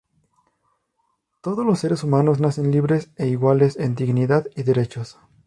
Todos los seres humanos nacen libres e iguales en dignidad y derechos.